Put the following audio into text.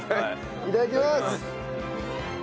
いただきます。